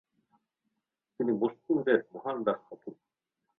তিনি মশ্যিউরের মহান বাজপাখি।